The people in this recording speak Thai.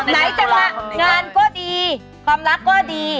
ไหนจำละงานก็ดีความรักก็ดี